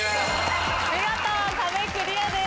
見事壁クリアです。